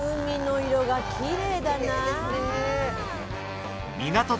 海の色がきれいだな。